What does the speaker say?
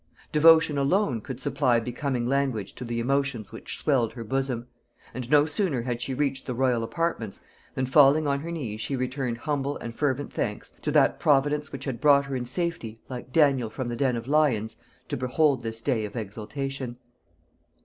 Devotion alone could supply becoming language to the emotions which swelled her bosom; and no sooner had she reached the royal apartments, than falling on her knees she returned humble and fervent thanks to that Providence which had brought her in safety, like Daniel from the den of lions, to behold this day of exaltation.